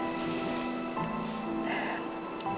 sini sini sini duduk